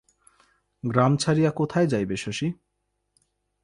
গ্রাম ছাড়িয়া কোথায় যাইবে শশী?